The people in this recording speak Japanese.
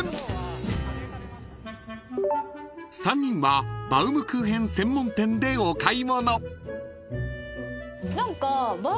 ［３人はバウムクーヘン専門店でお買い物］